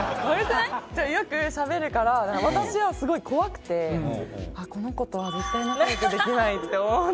よくしゃべるから私はすごい怖くてこの子とは絶対仲良くできないって思ってて。